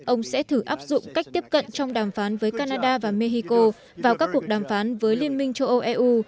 ông sẽ thử áp dụng cách tiếp cận trong đàm phán với canada và mexico vào các cuộc đàm phán với liên minh châu âu eu